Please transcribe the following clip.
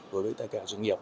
đối với tất cả doanh nghiệp